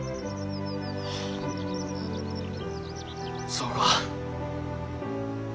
そうか。